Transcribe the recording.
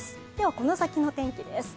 この先の天気です。